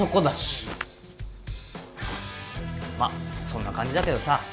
まっそんな感じだけどさ